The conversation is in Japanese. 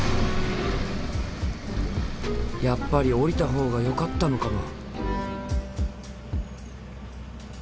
やっぱり降りたほうがよかったのかも。